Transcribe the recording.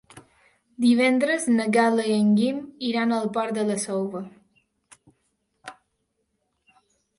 Divendres na Gal·la i en Guim iran al Port de la Selva.